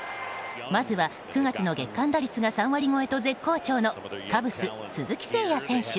まずは、９月の月間打率が３割超えと絶好調のカブス、鈴木誠也選手。